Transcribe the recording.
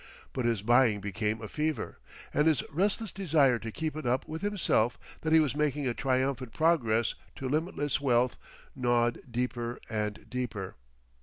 But his buying became a fever, and his restless desire to keep it up with himself that he was making a triumphant progress to limitless wealth gnawed deeper and deeper.